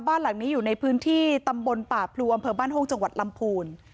บ้านหลังนี้อยู่ในพื้นที่ตำบลป่าพลูอำเภอบ้านห้องจังหวัดลำพูน